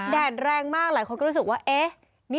แดดแรงมากหลายคนก็รู้สึกว่าเอ๊ะ